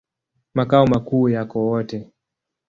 Makao makuu yako Wote.